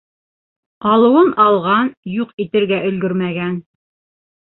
Алыуын алған, юҡ итергә өлгөрмә! ән...